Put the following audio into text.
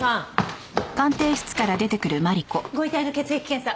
ご遺体の血液検査